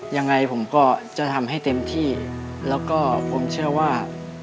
ยังไงผมก็จะทำให้เต็มที่แล้วก็ผมเชื่อว่า